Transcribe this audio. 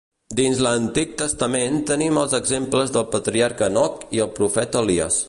Dins l'Antic Testament, tenim els exemples del patriarca Henoc i el profeta Elies.